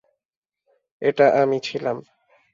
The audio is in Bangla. এটা আমি ছিলাম।